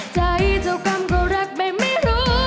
ใจเจ้ากรรมก็รักแบบไม่รู้